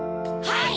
はい！